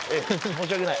申し訳ない。